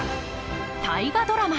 大河ドラマ